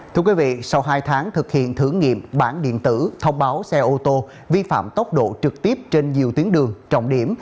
thưa quý vị sau hai tháng thực hiện thử nghiệm bản điện tử thông báo xe ô tô vi phạm tốc độ trực tiếp trên nhiều tuyến đường trọng điểm